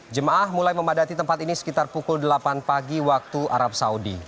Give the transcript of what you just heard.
jemaah mulai memadati tempat ini sekitar pukul delapan pagi waktu arab saudi